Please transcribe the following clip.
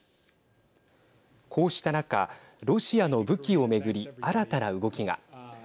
こうした中ロシアの武器を巡り新たな動きが。